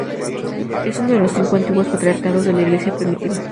Es uno de los cinco antiguos patriarcados de la Iglesia primitiva.